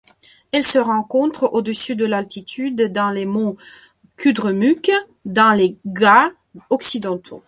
Elle se rencontre au-dessus de d'altitude dans les monts Kudremukh dans les Ghats occidentaux.